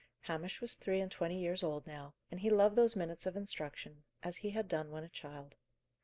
Hamish was three and twenty years old now, and he loved those minutes of instruction as he had done when a child.